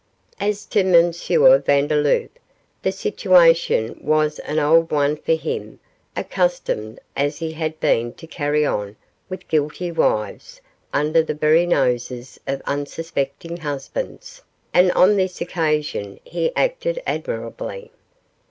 As to M. Vandeloup, the situation was an old one for him accustomed as he had been to carry on with guilty wives under the very noses of unsuspecting husbands, and on this occasion he acted admirably.